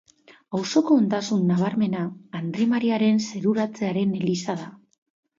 Auzoko ondasun nabarmena, Andre Mariaren Zeruratzearen eliza da.